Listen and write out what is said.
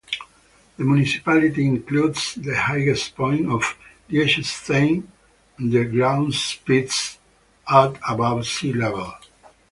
The municipality includes the highest point of Liechtenstein, the Grauspitz, at above sea level.